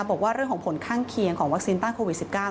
บอกว่าเรื่องของผลข้างเคียงของวัคซีนต้านโควิด๑๙